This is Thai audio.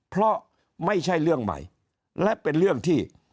เพราะไม่ใช่เรื่องใหม่และเป็นเรื่องที่